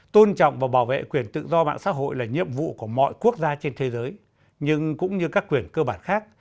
tôn trọng và bảo vệ quyền tự do mạng xã hội là nhiệm vụ của mọi quốc gia trên thế giới nhưng cũng như các quyền cơ bản khác